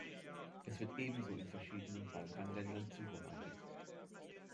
Es wird ebenso in verschiedenen Balkan-Ländern zubereitet.